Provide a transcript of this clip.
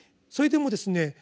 それでもですね